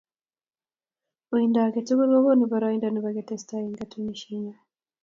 Uindo age tugul kokoonu boroindo nebo ketestaai eng katunisienyoo